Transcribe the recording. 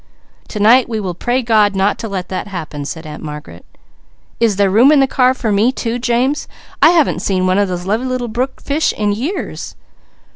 "To night we will pray God not to let that happen," said Aunt Margaret. "Is there room in the car for me too, James? I haven't seen one of those little brook fish in years!"